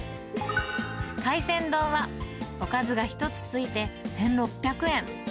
海鮮丼はおかずが１つ付いて１６００円。